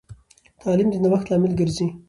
تعلیم د نوښت لامل ګرځي.